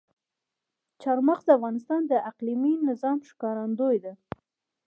چار مغز د افغانستان د اقلیمي نظام ښکارندوی ده.